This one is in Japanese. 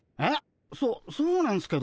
そそうなんすけど。